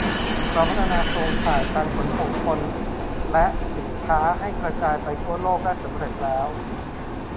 เราพัฒนาโครงข่ายการขนส่งคนและสินค้าให้กระจายไปทั่วโลกได้สำเร็จแล้ว